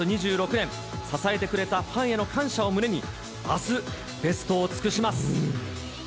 ２６年、支えてくれたファンへの感謝を胸に、あす、ベストを尽くします。